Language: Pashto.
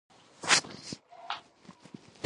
درسره خوندي یې کړه !